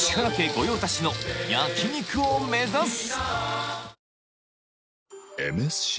御用達の焼肉を目指す！